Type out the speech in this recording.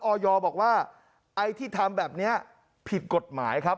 อยบอกว่าไอ้ที่ทำแบบนี้ผิดกฎหมายครับ